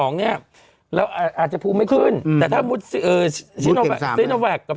นี่เราอาจจะผู้ไม่ขึ้นถ้า